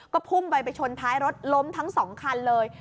ก็พุ่งไปไปชนท้ายรถล้มทั้ง๒คันเลย